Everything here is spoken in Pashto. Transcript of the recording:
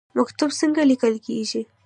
مکتوب څنګه لیکل کیږي؟